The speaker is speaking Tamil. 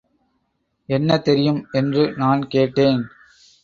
என்ன தெரியும்? என்று நான் கேட்டேன்.